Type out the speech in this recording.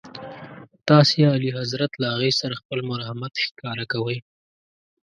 تاسي اعلیحضرت له هغې سره خپل مرحمت ښکاره کوئ.